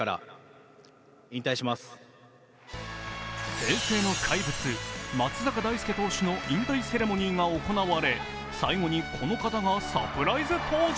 平成の怪物、松坂大輔投手の引退セレモニーが行われ最後にこの方がサプライズ登場。